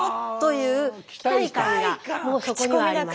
がもうそこにはあります。